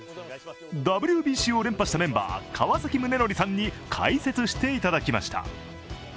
ＷＢＣを連覇したメンバー、川崎宗則さんに解説していただきました。